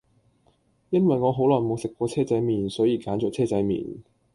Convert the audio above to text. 因為我好耐無食過車仔麵,所以揀左車仔麵